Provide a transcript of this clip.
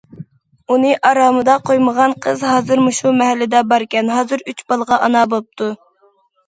ئۇنى ئارامىدا قويمىغان قىز ھازىر مۇشۇ مەھەللىدە باركەن، ھازىر ئۈچ بالىغا ئانا بوپتۇ.